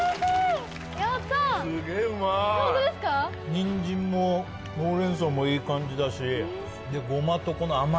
にんじんもほうれん草もいい感じだしごまとこの甘みもすげいい。